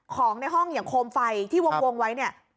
ของในห้องอย่างโคมไฟที่วงไว้เนี่ย